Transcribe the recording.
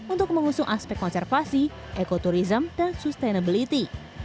untuk mengusung aspek konservasi ekoturism dan sustainability